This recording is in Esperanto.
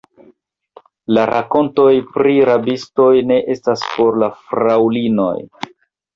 La rakontoj pri rabistoj ne estas por la fraŭlinoj.